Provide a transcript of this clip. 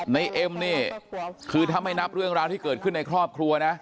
เอ็มนี่คือถ้าไม่นับเรื่องราวที่เกิดขึ้นในครอบครัวนะ